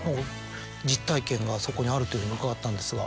そこにあるというふうに伺ったんですが。